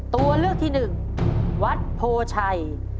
ตัวเลือกที่หนึ่งวัดโพชัย